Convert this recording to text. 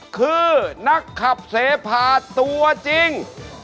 คือนักขับเสพาตัวจริง